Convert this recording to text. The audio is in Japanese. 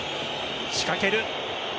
仕掛ける。